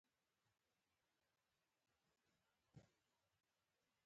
پنځو مثبتو رایو وکولای شول چې موضوع تایید کړي.